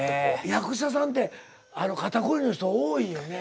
役者さんて肩凝りの人多いよね。